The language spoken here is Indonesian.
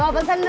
mau pesen dong